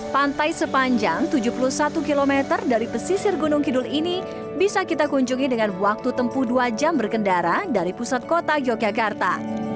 pantai sepanjang tujuh puluh satu km dari pesisir gunung kidul ini bisa kita kunjungi dengan waktu tempuh dua jam berkendara dari pusat kota yogyakarta